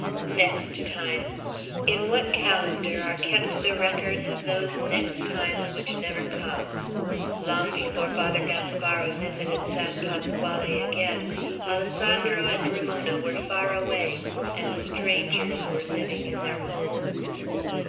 "Next time!" In what calendar are kept the records of those next times which never come? Long before Father Gaspara visited San Pasquale again, Alessandro and Ramona were far away, and strangers were living in their home.